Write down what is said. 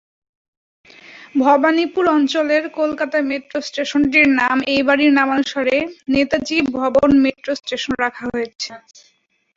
ভবানীপুর অঞ্চলের কলকাতা মেট্রো স্টেশনটির নাম এই বাড়ির নামানুসারে "নেতাজি ভবন মেট্রো স্টেশন" রাখা হয়েছে।